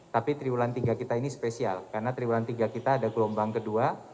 tapi triwulan tiga kita ini spesial karena triwulan tiga kita ada gelombang kedua